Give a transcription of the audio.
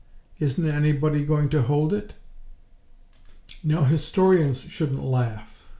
Isn't anybody going to hold it?" Now historians shouldn't laugh.